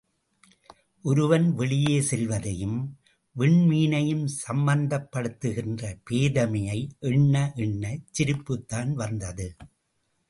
ஒருவன் வெளியே செல்வதையும் விண்மீனையும் சம்மந்தப்படுத்துகின்ற பேதைமையை எண்ண எண்ணச் சிரிப்புதான் வந்தது.